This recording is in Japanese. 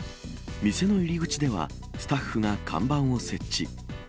店の入り口では、スタッフが看板を設置。